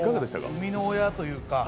生みの親というか